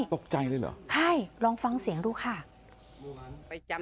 ตกใจเลยเหรอใช่ลองฟังเสียงดูค่ะ